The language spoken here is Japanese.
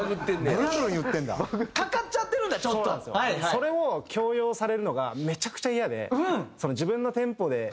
それを強要されるのがめちゃくちゃ嫌で自分のテンポで。